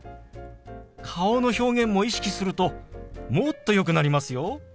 顔の表現も意識するともっとよくなりますよ。